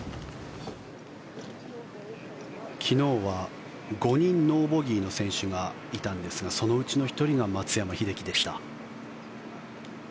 昨日は５人ノーボギーの選手がいたんですがそのうちの１人が松山英樹でした。